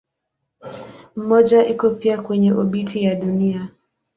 Mmoja iko pia kwenye obiti ya Dunia.